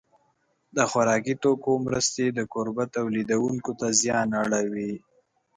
د خوراکي توکو مرستې د کوربه تولیدوونکو ته زیان اړوي.